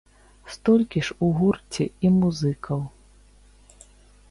Столькі ж у гурце і музыкаў.